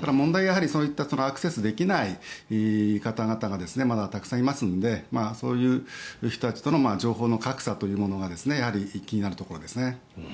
ただ問題はそういったアクセスできない方々がまだたくさんいますのでそういう人たちとの情報の格差というものが気になるところですね。